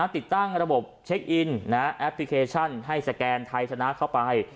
ติดตั้งระบบเช็คอินแอปพลิเคชันให้สแกนไทยชนะเข้าไป